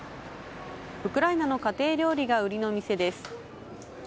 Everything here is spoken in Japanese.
ウクライナの家庭料理が売りの店です。